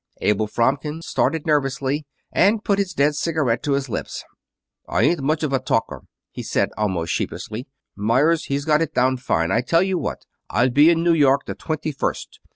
Abel Fromkin started nervously, and put his dead cigarette to his lips. "I ain't much of a talker," he said, almost sheepishly. "Meyers, he's got it down fine. I tell you what. I'll be in New York the twenty first.